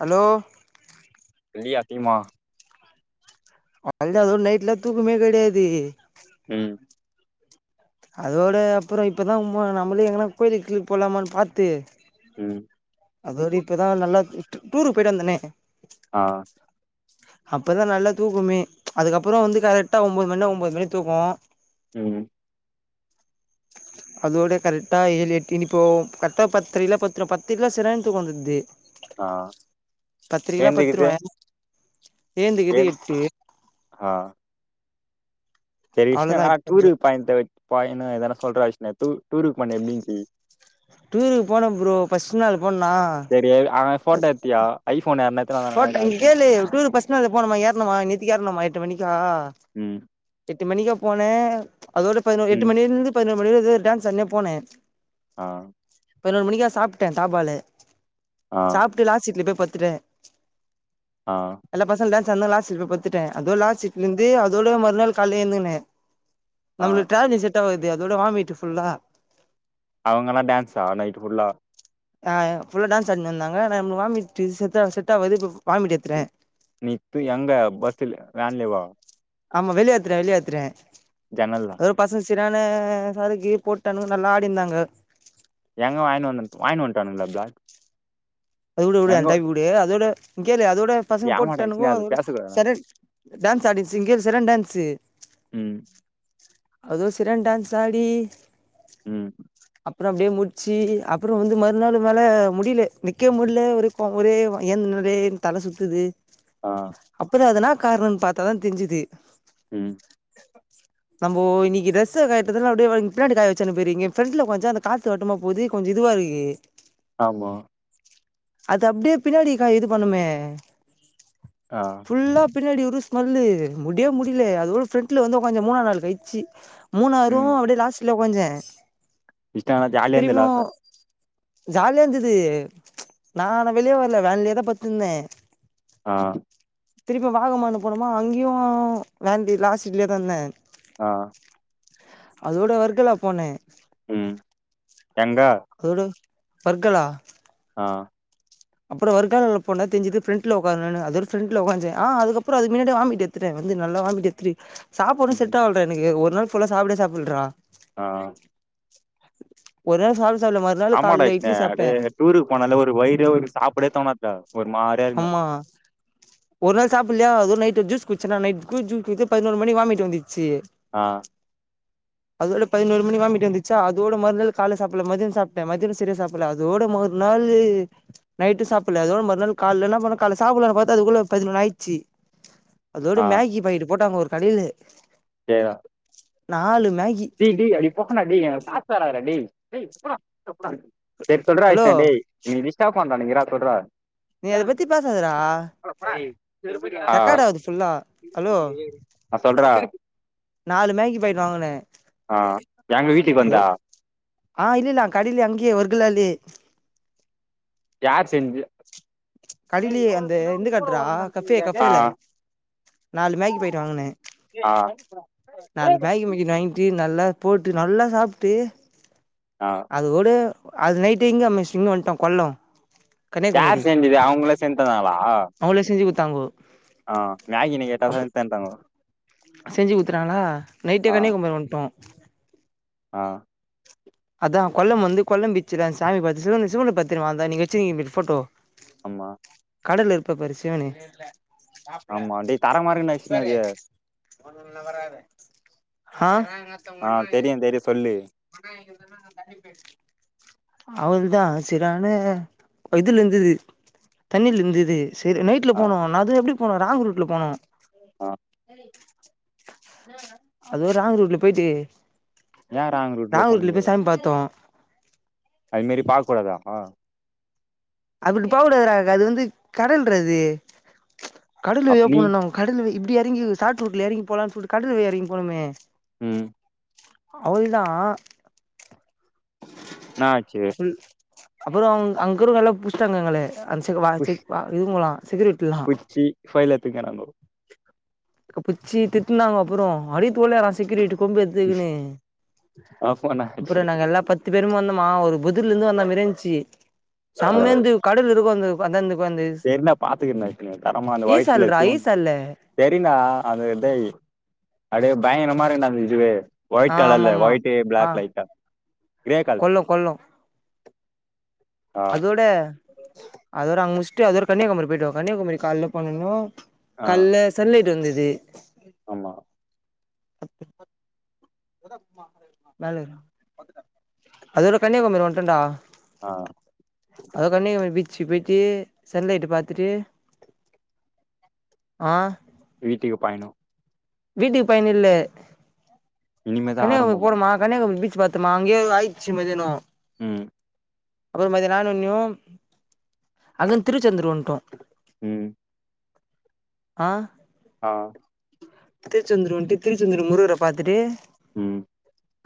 hello [unintelligible] அவளேதா அதோட நைட்லாம் தூக்குமே கிடையாது உம் அதோட அப்புறம் இப்பதான் நம்மளே எங்கன்னா கோயிலுக்கு கிலுக்கு போலாமான்னு பாத்து உம் அதோட இப்பதான் நல்லா டூ டூருக்கு போயிட்டு வந்தனே ஆஹ அப்பதான் நல்லா தூக்குமே அதுக்கப்புறம் வந்து கரெக்டா ஒன்பது மணினா ஒன்பது மணி தூக்கம் உம் அதோட கரெக்டா ஏழு எட்டு இப்போ கரெக்ட்டா பத்தரைக்கலா படுத்துடுவ பத்து இல்ல செரியான தூக்கம் வந்துருது ஆஹ எந்திக்குது ஏந்து கிது எட்டு ஆ சரி விஷ்ணு அவ்ளோதா வேனா இப்ப கொஞ்சோ டூரு பாண்ட் பா என்ன ஏதனா சொல்றா விஷ்னு டூ டூருக்கு போனே எப்பின்சி டூருக்கு போனே ப்ரோ ஃபஸ்ட் நாள் போனனா போண்டா டீயா ஐ போன் போட்ட இங்க கேளு டூருக்கு ஃபர்ஸ்ட் நாள் போனமாயறனுமா நித்துக்குயறனுமா எட்டு மணிக்கா உம் எட்டு மணிக்க போன அதோட பதினோர் எட்டு ம் மணியில இருந்து பதினோர் முடியது டான்ஸ் ஆடினே போனே ஆஹ பதினொரு மணிக்கா சாப்பட தாபாலு ஆ சாப்டு லஸ்சிட்ல போயத் திரே ஆ எல்லா பாசல் டா லாஸ் சிட்ல போய் பாத்துட்டேன் அதோ லா சிட்ல இருந்து அதோ மறுநாள் காலழுந்துங்கே ஆ நம்ளுக்கு ட்ரா லிசிட் குது அதோட வாமிட்டு ஃபுல்லா அவங்கல்லா டான்ஸா நைட் ஃபுலா ஆஹ்புல்லா டான்ஸ் ஆடினு இந்தாங்க ஆனா வாமிட் சித தா வ வாமிட் எதுட்ட நிக்கு எங்க பஸ்ல வேன்லேவா ஆமா வெளியாத்துடேன் வெளியாத்துடேன் ஜன்னல்ல இதினானு சரக்கு போட்டானு நல்லா ஆடிந்தாங்க எங்க வாயின் வந் வாயினு வண்டங்களா பிளாக் அது உடு உடு எங்க எந்த உடு அதோட கேள் அதோட பசங்க ஆமாடா போட்டானுங்க விஷ்ணு அது அதோட பேசக்கூடாதுடா ச டான்ஸ் ஆடி இங்க சர்யான டான்ஸ் ம் அது சரன் டான்ஸ் ஆடி உஹம் அப்பறம் அப்டியே முச்சி அப்பறம் வந்து மறுநாள் மேலே முடில நிற்க முடில ஒரு ஒரே ஏந்த நிறே தல சுத்தூது ஆ அப்பறம் அதனாப் காருனு பாத்தா தா தெரிஞ்சுது ம் [inaudible] நம்ம இன்னைக்கு டிரஸ்ச காயறதுல்ல அப்டியேங்க பின்னாடி காய வச்சன்னுயறீங்கஃப்ரெண்ட்ல கொஞ்சம் அந்த காத்து வட்டமா போது கொஞ்சம் இதுவா இருக்கு ஆமா அது அப்டியே பின்னாடிக்கா இது பண்ணுமே ஆ ஃபுல்லா பின்னாடி ஒரு ஸ்மெல்லு முடிய முடியல அதோட பிரண்ட்ல வந்து வாகனந்த மூணாநாலு வச்சி மூண ஆறுரும் அப்படியே லாஸ் இல கொஞ்சம் இன்டலா ஜாலி இருந்த ல ஜாலியா இருந்தது நானான் வெளியே வரல வேனிலே தான் பாதுந்த ஆஹ் திருப்பி வாலக்கிமா போனோமா அங்கேயும் வேண்ட லாச்ட செட்ல த இருந்தேன் ஆஹ் அதோட வர்க்கல போனேன் உம் எங்கா ஃபர்கலா ஆஹ் அப்புறம் வருங்காலல போனா தெஞ்சது பிரரண்ட்ல உட்கார்னு அது ஒருஃப்ரண்ட்ல உக்காந்துேன் அதுக்கப்புறம் அது முன்னாடி வாம்மிட்டு எடுத்தேன் வந்து நல்ல வாம்மிட்டு எடுத்துட்டேன் சாப்பிடறதும் ம், செட்டாவல எனக்கு ஒரு ஒருநாள் புல்லா சாப்பிடே சாப்பிடலறா ஆஹ் ஒரு நாள் சாப் ஆமாடா விஷ்ணு டூருக்கு போனால ஒரு வயிற ஒரு சாப்டே தோனாது ஆமா ஒரு நாள் சாப்பிடலையா அதுவும் நைட் ஜூஸ் குடிச்சா நைட் ஜூ குத்து பதினோரு மணிக்கு வாமிட்டு வந்துச்சு ஆஹ் அதோட பதினோரு மணி வாம்மிட்டு வந்துச்சா அதோட மறுநாள் காலை சாப்பிடல மதியம் சாப்பிட்டேன் மதியனம் சரியா சாப்பிடல அதோட மறுநாள் நைட்டும் சாப்பிடல அதோட மறுநாள் கால்லலா எல்லாம் பாத்தா காலைல சாப்பிடலான்ன பார்த்த அதுக்குள்ள பதினொன்னு ஆயிடுச்சு அதோடு மேகி பாயிட்டு போட்டாங்க ஒரு கடைல யான் மேகி அப்டி போட்டான காத்து வராதுடா டேய் யேய் குட்ரா சரி சொல்ற ஹலோ ஆ டே நிதிஷ்டா போய் நா நீங்க இராக சொல்றா நீ அதை பத்தி பேசாதடா ரெக்கார்ட் ஆகுது ஃபுல்லா ஹலோ சொல்றா நாலு மேகி பாயிட்டு வாங்கினேன் ஆ எங்க அ வீட்டுக்கு வந்தா ஆஹ் இல்லல்ல கடைல அங்கே வர்குலாலே [inaudible] யார் செஞ்சது கடயிலயே அந்த இந்தகட்றா கஃபே ஆ கஃபேல நாலு மேகி போயிட்டு வாங்கினேன் ஆ நாலு மேகி வாங்கிட்டு நல்லா போட்டு நல்லா சாப்பிட்டு ஆ அது கூட அது நைட்டு் எங்க சிங்கம் வந்துட்டோம் கொல்லம் கன்னியாகுமாரி அவங்கள சேந்தவங்களா அவளே செஞ்சி கொடுத்து தாகு மேகினி கேட்டா தா இந்தாண்டாங்கோ செஞ்சு குடுத்துறாங்களா நைட்டே கண்ணியாகுமரி வந்து ட்டோம் [inaudible] ஆஹ் அதான் கொல்லம் வந்து கொல்லம் பீச்ச சாமி பாத்தூட்டு சிவன் நீங்க வச்சிருக்க போட்டோ ஆமா கடல இருக்க சிவனா நி இல்ல ஆமா டே தர மாதிரி விஷயம் இது ஆஹ் த்த ஆ மன மன தெரியு தெரியு சொல்லு [unintelligible] அவ்ளதான் சரியான இதுல இருந்தது தண்ணில இருந்தது சரி நைட்ல ஆ போனோம் நான் அது இப்ப ராங்ரூட்ல போனா ஆ சரி அது ராங்க் ரூட்ல போயிட்டு ஏன் ராங் ரூட்ல போணிங்க பாத்தோம் அது மாரி பாக்க கூடாதாமா அப்படி போககூடாது அது வந்து கடல்றா இது கடல் அப் வழியா நீ போண்ணுனா கடல் வழியிது இறங்கி சாட்டு ரூட்டுல இறங்கி போலாம்னு சொல்லிட்டு கடல் வழி யா இறங்கி போனமே உம் அவதிதான் என்ன ஆச்சு அப்புறம் அவங்க இருக்குறவங்க நல்லா புடிச்சடாங்க எங்களே அந்ந சைடு வேழ செஞ்ச இது போலாம் செக்யூரிட்டல்லாம் ங்கா நாங்கோ பிடிச்சி திட்டுனாங்க அப்புறம் அடிக்றதுல செசக்கூரிட்டு கொம்பு எத்துக்கு ஆ ஃபோன் ஆச்சு அப்புறம் நாங்க எல்லா பத்து பேரும் வந்த மா ஒரு புதிரல இருந்து வந்தா மாரியிருந்துச்சு சம்மைமந்இருந்து கடல் இருக்கும் அந்த வந்து என்ன பாத்துக்க இருச்ச தரமா அந்த வயிறல ஈசால்றா ஈசால்ல சரினா அந்த இத அடியே பயகாரமா நான் விஜெ ஆ வைட் கலர் இல்ல ஆமாமா வயட்டு ஆ பிளாக்வைட்டா கிரே கலர் கொல்லம் கொல்லம் ஆ அதோட அதோட அவங்க இஷ் அதோட கன்னியாகுமரி போயிடுவா கன்னியாகும கால போண்ணுனா ஆ கல்லா செல்ல இது வந்துது இது ஆமா ஹா மேல அதோட கன்னியாகுமரி வந்துட்டேன் டா ஆஹ் அதக்கண்ணே பீச்சக்கு போயிட்டு சன்லைட் பாத்துட்டு ஆஹ் வீட்டுக்கு பாயணும் வீட்டுக்கு பயன் இல்ல இனிமேதா கன்னியாகுமாரி ஆரம்பமா போணுமா கன்னியாகுமரி பீச் பீச் பா்த்தமா அங்கய ஆயிடுச்சு மதினம் உம் அப்புற மத்தியானம் ஆனோனும் அங்கருந்து திருச்சந்துர் வந்துட்டோம் உஹம் ஆஹ் ஆஹ் டும் திருச்செந்தூர் வந்துட்டு திருச்செந்தூர் முருகர் பார்த்தட்டு உம்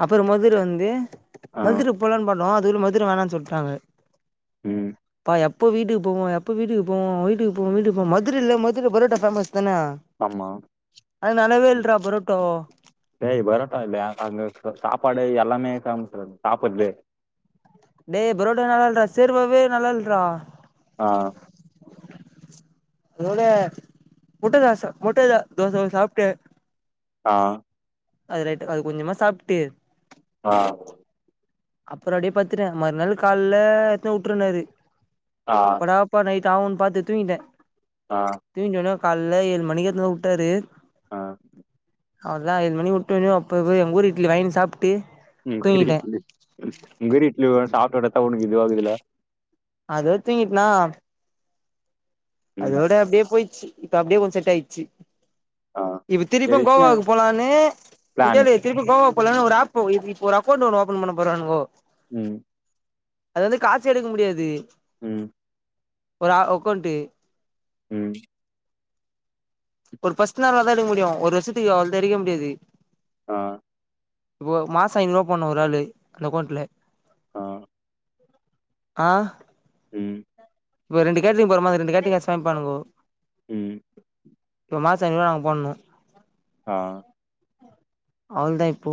அப்புறம் மதுரை வந்து மதுரக்கு போலான்னு பண்ணோம் அதுல மதுர வேணாம்னு சொல்ட்டாங்க உம் ப்பா எப்போ வீடுக்கு போவோ எப்போ வீடுக்கு போவம் வீடு போ வீடு மதுரில்ல மதுர புரோட்டா பேமஸ் ஆமா நல்லாவே இல்றா பரோட்டோ ஏய் பரோட்டா இல்ல அ அங்க சாப்பாடு எல்லா [unintelligible] சாப்பிறது டேய் பரோட்டா நல்லால்றா சேர்வாவவே நல்லா இல்றா ஆ அதோட முட்ட தோச முட்ட தோச சாப்பிட்டு ஆஹ் அது ரைட்டு அது கொஞ்சமா சாப்பிட்டு ஆஹ் அப்புறம் அப்டியே பத்துட்டேன் மறுநாள் கால்லா எடுத்து வுட்டுருனாரு ஆ எப்படா பா நைட் ஆவுன்னு பாத்து தூங்கிட்டேன் ஆ [unintelligible] காலையில ஏழு மணிக்கு எத்துனு விட்டாரு ஆஹ அதான் எழு மணி விட்டுணும் அப்பவோ எங்க ஊர் இட்லி வங்கி சாப்பிட்டு உம் [unintelligible] உங்கரி இட்லி சாப்டவத்தா உனக்கு இது ஆகுதுல அது வச்சீங்கிட்டுனா ம் அதோட அப்டியே போயிச்சி இப்ப அப்டியே கொஞ்சே செட் ஆயிடுச்சி ஆ இப்ப சரி திருப்பும் விஷ்ணு கோவாவுக்கு போலான்னு இத பிளானு கேலு திருப்பி கோவா ஒரு ஆப் இப்ப ஒரு அக்கௌண்ட் ஒன்னு ஓபன் பண்ண போறானுங்கோ உம் அதாது காசு எடுக்க முடியாது உம் ஒரு அ அக்கவுண்ட்டு உம் ஒரு ஃபஸ்ட நாள் தான் எடுக்க முடியும் ஒரு வருஷத்துக்கு அவ்ளோ தா எடுக்க முடியாது ஆஹ் இப்போ மாசம் ஐநூறு ரூபா போடணும் ஒரு ஆளு அந்த அக்கௌண்ட்ல ஆஹ் ஆஹ உம் இப்ப ரெண்டுகோட்ரிங் போறமா அது ரெண்டு கேட்டரிங் சமைப்பானுங்கோ ம் இப்ப மாசம் ஐநூறு ரூவா நாங்க போடணும் ஆஹ் அவளோ தான் இப்போ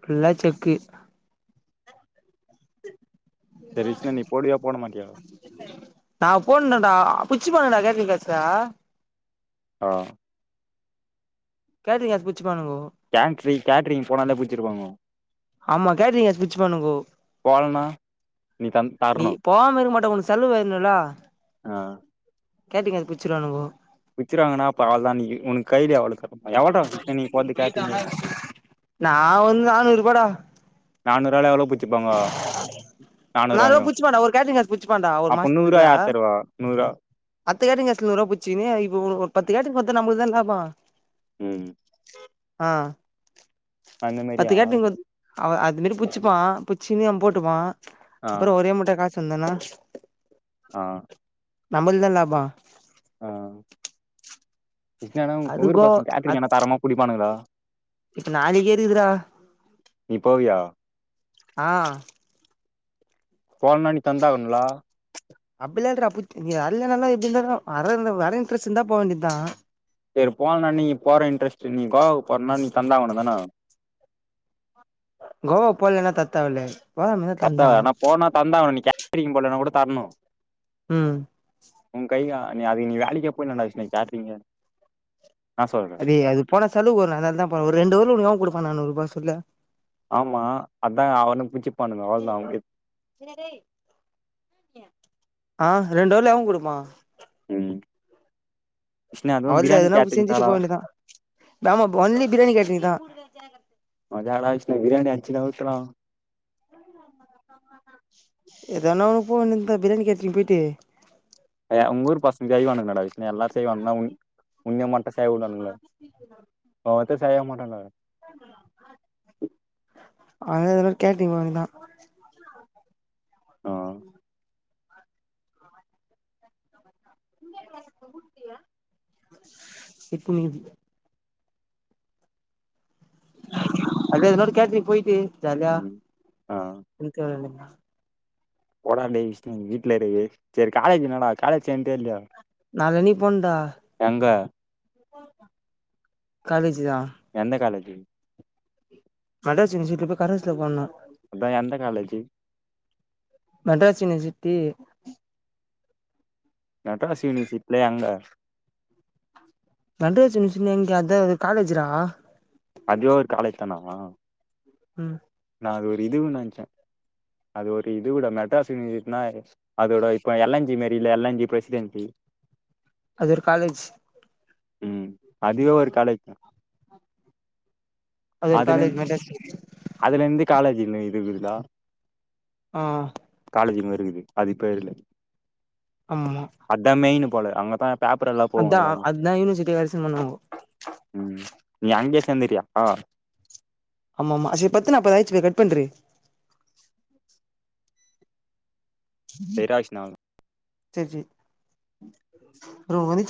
ஃபுல்லா செக்கு சேரி விஷ்ணு நீ போடுவியா போடமாட்டியா [inaudible] நான் போனும்டா பிச்சிப் பாணுங்கடா கேட்ரிங் காச ஆஹ் கேட்டறிங் கசு பிச்சு கேட்ரி கேட்ரிங் போனாலே பிச்சுருப்பாங்க ஆமா கேட்டறிங் கசு பிச் பண்ணுங்க போளன நீ தர்ணோம் செலவுஆயிரன்னுலா ஆஹ் கேட்டீங்க அ பிச்சிருவனுபவ விச்சருாங்கன்னா அப்ப அவளதான் நீ உனக்கு கையலே அவ்ளுக்கு நா வந்து நானூறு ரூபாடா நானூறுவால எவ்ளோ புச்சுப்பாங்க நா ரூபா நானூறுவாயு பிச்சு போன்டா ஒரு கேட்டரிங்க ஆடர் புடிச்சு போண்டா ஒரு அப்ப நூறுவா மாசத்துகு யார் தருவா நூறுவா அத்து கேட்டுக்குங்கலூறுூபாிச்சுன்னே இப்ப ஒருத்து கட்டடுக்கு பாரா நமளுக்குதான் லாபம் ஹம் ஆஹ் அந்த மாரியா அவ அது புடிச்சுபான் புடிச்சுகினு அவன் போட்டுப்பான் ஆ அப்பறம் ஒரே மூட்ட காச சுந்தனா ஆஹ் நம்மளுக்கு தான் லாபம் ஆஹ் விஷ்ணு அண்ண அது ஊர் கோ பசங்க அது கேட்டரிங்னா தரமா புடிப்பானுங்களா இப்ப நாலக்குறதுரா நீப்போவியா ஆஹ் போன் பன்னி தந்தாவுனுங்களா அப்டி இ அப்ப அலல்லா எப்டி இரு வர இன்டரெஸ்ட் இருந்தா போக வேண்டியதான் சரி போலாம் நீங்க போற இன்டரெஸ்ட் சரி நீ கோவுக்கு போறனா நீ தந்தவும்தானா கோவா போலன்னா தர தேவயில்ல சத்த ஆன போனா தந்தாகணும் நீ கேட்டரிங் போல கூட தரணும் உம் உன் கைகா நீ அது நீ வேலக்கு போயடா விஷன கேட்டரிங் அடிய அதுன சலவு வரும் அதாலான் போ ஒரு ரெண்டுலடு பப்ப நானூறுபா சொல்ல ஆமா அதான் அவளும் பிச்சு பானுங்க அவ்ளோதான் ஆஹ் ரெண்டு வேல எவன் கொடுப்பான் உம் அவளல எதுனா செஞ்சுட்டு போ வேண்டியதுதான் ஆமாஒன்லி பிரியாணி கேட்டரிங் தான் தேஜான மதிய ஆச்சுன்னா பிரியாணி அடிச்சுநவுத்துலாம் எதன்னா ஒன போ வேண்டியதுதான் பிரியாணி கேட்டரிங் போயிட்டு உங்க ஊர்பசங்க செய்வங்க களடா விஷ்ணு எல்லாரும் செய்வானுங்களா உண்ணிய மட்டும் செய்ய விடுவாணுங்களா செய்ய மாட்டாங்க அத எ கேட்டரிங் மட்டும் தான் ஆ உம் ச் இப்ப வருது அதேது நோது கேட்ரிங் போய்டு ஜால்யா ம் இருக்க வேண்டி தான் போடே டேய் விஷ்ணு வீட்லே இரு சேரி காலேஜ் என்னடா காலேஜ் சேந்டியா இல்லையா நாளை ரெடி பண்டா எங்க காலேஜ் தா எந்த காலேஜ் ஜி கட செஞ்சுட்டி இருக்குற ப்ப கரஸ்லா போல்லாம் அதான் எந்த காலேஜு மெட்ராஸ் யூனிவர்சிட்டி மெட்ராஸ் யூனிவர்சிட்டில எங்க மெட்ராஸ் யூனிவர்சிட்டி எங்க அத காலேஜ்ரா அதுவோ ஒரு காலேஜ் தானா உஹம் அது ஒரு இதுநெசே அது ஒரு இது விட மெட்ராஸ் யூனிவர்சிட்டி அதோட இப்ப எல்என்ஜி மாரி எல்என்ஜி பிரசிடென்டு அது ஒரு காலேஜ் உம் அதுவே ஒரு காலேஜ் தா அது ஒரு அதுலந் காலேஜ் மெட்ராஸ் அதுலருந்து காலேஜ் இன்வை இருந்தா ஆஹ் வருகுது வருகுது அது கோவில்லா ஆமா போல அங்க தா அதான் அதான் யூனிசிட்டி கரேசன் பண்ணுவோ சேந்துக்கலாம் ஆஹ் ஆமா ஆமா பத்து நாப்பது ஆயிச்சு கட் பண்றி சரி ஆச்சுன்னா சேரி சேரி ரொம [unintelligible]